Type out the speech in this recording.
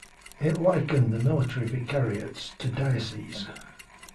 It likened the military vicariates to dioceses.